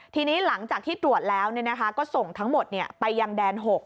ทีนี้หลังจากที่ตรวจแล้วก็ส่งทั้งหมดไปยังแดน๖